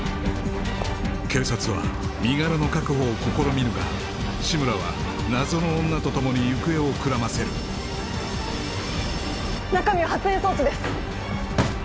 警察は身柄の確保を試みるが志村は謎の女と共に行方をくらませる中身は発煙装置です！